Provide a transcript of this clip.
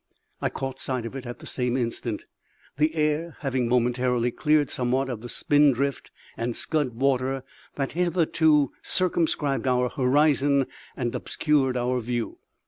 I caught sight of it at the same instant, the air having momentarily cleared somewhat of the spindrift and scud water that had hitherto circumscribed our horizon and obscured our view.